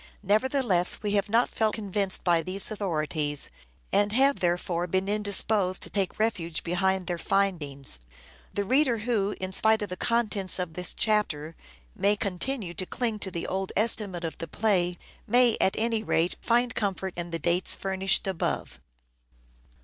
Nevertheless, we have not felt convinced by these authorities ; and have therefore been indisposed to take refuge behind their findings. The reader who, in spite of the contents of this chapter, may continue to cling to the old estimate of the play, may at any rate find comfort in the dates furnished above.